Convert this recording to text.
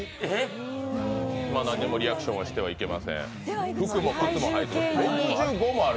何もリアクションしてはいけません６５もある？